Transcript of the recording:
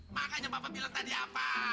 makanya bapak bilang tadi apa